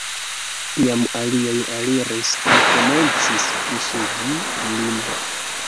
Tiam aliaj aliris kaj komencis puŝegi lin.